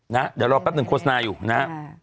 เดี๋ยวรอแป๊บหนึ่งโฆษณาอยู่นะฮะ